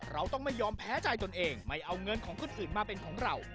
เราต้องไม่ยอมแพ้ใจตนเองไม่เอาเงินของคนอื่นมาเป็นของเรา